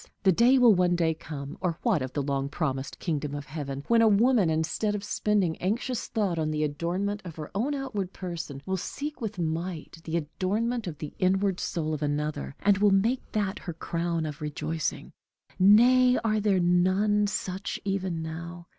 The day will one day come or what of the long promised kingdom of heaven? when a woman, instead of spending anxious thought on the adornment of her own outward person, will seek with might the adornment of the inward soul of another, and will make that her crown of rejoicing. Nay, are there none such even now?